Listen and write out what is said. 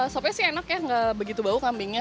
sopnya sih enak ya nggak begitu bau kambingnya